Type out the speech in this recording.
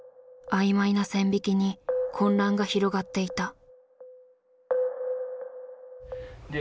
曖昧な線引きに混乱が広がっていた。